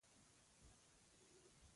ګلداد امسا ته لاس کړ.